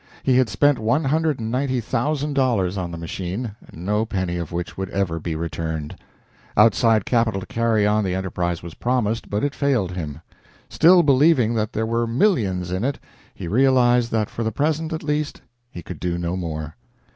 He had spent one hundred and ninety thousand dollars on the machine, no penny of which would ever be returned. Outside capital to carry on the enterprise was promised, but it failed him. Still believing that there were "millions in it," he realized that for the present, at least, he could do no more.